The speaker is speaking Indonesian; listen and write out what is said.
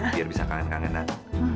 biar bisa kangen kangenan